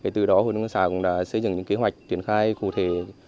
từ đó hội đồng xã cũng đã xây dựng những kế hoạch tiến khai cụ thể